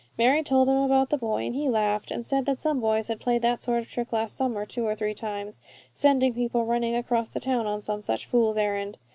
Mary told him about the boy and he laughed and said that some boys had played that sort of trick last summer two or three times, sending people running across the town on some such fool's errand.